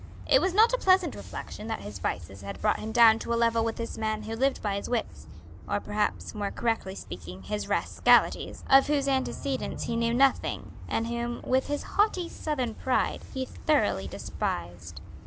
It was not a pleasant reflection that his vices had brought him down to a level with this man who lived by his wits or perhaps more correctly speaking, his rascalities of whose antecedents he knew nothing and whom, with his haughty Southern pride, he thoroughly despised.